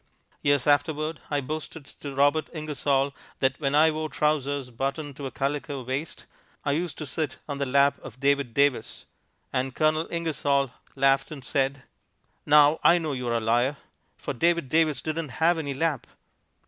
Years afterward I boasted to Robert Ingersoll that when I wore trousers buttoned to a calico waist I used to sit on the lap of David Davis, and Colonel Ingersoll laughed and said, "Now I know you are a liar, for David Davis didn't have any lap."